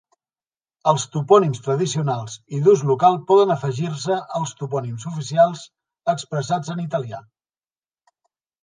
Els topònims tradicionals i d'ús local poden afegir-se als topònims oficials expressats en italià.